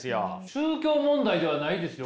宗教問題ではないですよ？